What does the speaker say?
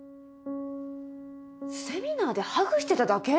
セミナーでハグしてただけ？